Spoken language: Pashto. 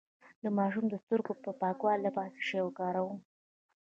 د ماشوم د سترګو د پاکوالي لپاره څه شی وکاروم؟